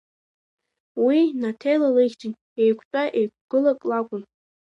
Уи Наҭела лыхьӡын, еиқәтәа-еиқәгылак лакәын.